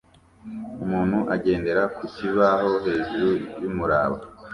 Umuntu ugendera ku kibaho hejuru yumuraba